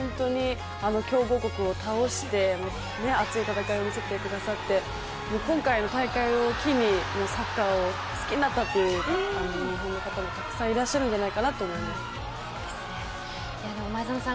強豪国を倒して熱い戦いを見せてくださって今回の大会を機にサッカーを好きになったという日本の方もたくさんいらっしゃるんじゃないかと前園さん